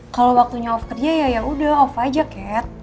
kalau waktunya off kerja ya yaudah off aja cat